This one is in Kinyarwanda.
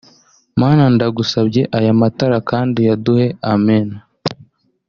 Mana ndayagusabye (aya matara) kandi uyaduhe Amen